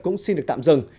cũng xin được tạm dừng